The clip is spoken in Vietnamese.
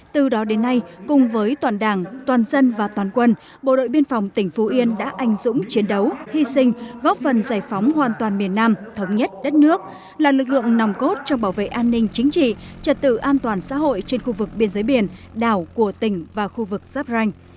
từ đó đến nay cùng với toàn đảng toàn dân và toàn quân bộ đội biên phòng tỉnh phú yên đã anh dũng chiến đấu hy sinh góp phần giải phóng hoàn toàn miền nam thống nhất đất nước là lực lượng nòng cốt trong bảo vệ an ninh chính trị trật tự an toàn xã hội trên khu vực biên giới biển đảo của tỉnh và khu vực giáp ranh